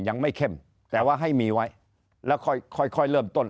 ยังไม่เข้มแต่ว่าให้มีไว้แล้วค่อยค่อยเริ่มต้น